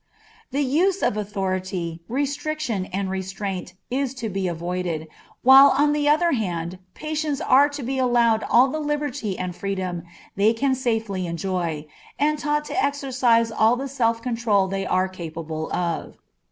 The use of authority, restriction, and restraint is to be avoided, while on the other hand patients are to be allowed all the liberty and freedom they can safely enjoy, and taught to exercise all the self control they are capable of.